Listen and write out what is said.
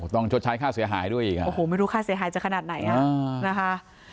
ชดใช้ค่าเสียหายด้วยอีกอ่ะโอ้โหไม่รู้ค่าเสียหายจะขนาดไหนอ่ะนะคะ